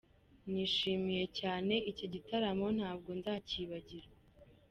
Nishimye cyane, iki gitaramo ntabwo nzacyibagirwa.